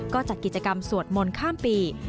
ก็จัดกิจกรรมสวดมนต์ข้ามปี